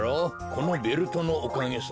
このベルトのおかげさ。